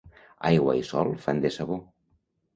Aigua i sol fan de sabó.